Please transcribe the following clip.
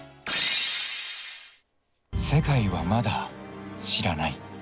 世界はまだ知らない。